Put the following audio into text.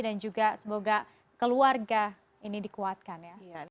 dan juga semoga keluarga ini dikuatkan ya